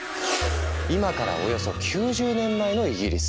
今からおよそ９０年前のイギリス。